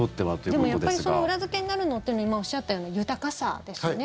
でもやっぱりその裏付けになるのというのは今おっしゃったように豊かさですよね。